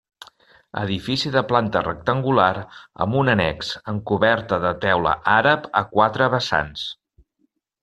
Edifici de planta rectangular amb un annex, amb coberta de teula àrab a quatre vessants.